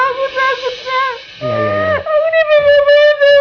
aku ini pengobatan